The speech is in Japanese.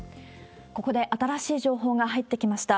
ここで新しい情報が入ってきました。